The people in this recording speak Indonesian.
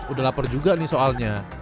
udah lapar juga nih soalnya